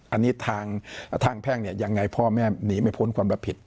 อันนี้ทางแพ่งเนี่ยยังไงพ่อแม่หนีไม่พ้นความรับผิด